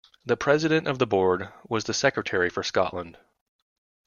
The president of the board was the Secretary for Scotland.